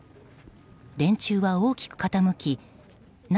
電柱は大きく傾き何